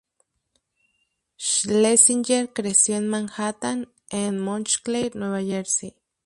Schlesinger creció en Manhattan and Montclair, Nueva Jersey.